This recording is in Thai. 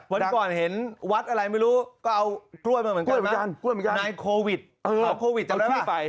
วันก่อนเห็นวัดอะไรไม่รู้ก็เอากล้วยมาเหมือนกันนายโควิดเอาโควิดเจ้าหน้าที่ไป